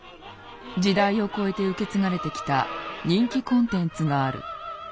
時代を超えて受け継がれてきた人気コンテンツがある。